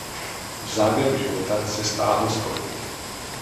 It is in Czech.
V závěru života se stáhl z politiky.